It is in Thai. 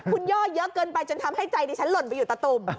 คุณย่อเยอะเกินไปจนทำให้ใจดิฉันหล่นไปอยู่ตะตุ่ม